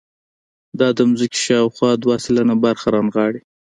دا د ځمکې شاوخوا دوه سلنه برخه رانغاړي.